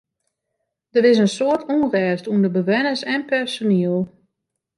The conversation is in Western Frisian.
Der is in soad ûnrêst ûnder bewenners en personiel.